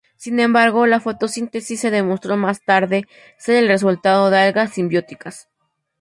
Sin embargo, la fotosíntesis se demostró más tarde ser el resultado de 'algas' simbióticas.